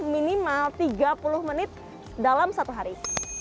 minimal tiga puluh menit dalam satu hari